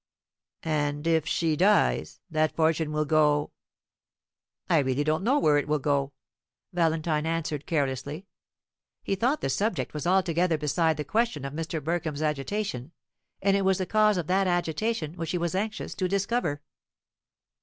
"And if she dies, that fortune will go " "I really don't know where it will go," Valentine answered carelessly: he thought the subject was altogether beside the question of Mr. Burkham's agitation, and it was the cause of that agitation which he was anxious to discover.